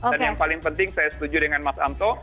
yang paling penting saya setuju dengan mas anto